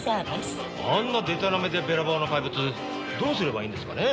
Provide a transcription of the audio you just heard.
あんなでたらめでべらぼうな怪物どうすればいいんですかね？